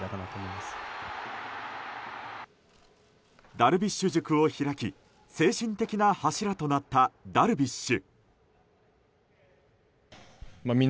ダルビッシュ塾を開き精神的な柱となったダルビッシュ。